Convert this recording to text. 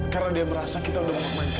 karena dia merasa kita udah memainkannya